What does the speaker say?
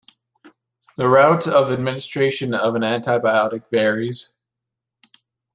The route of administration of an antibiotic varies.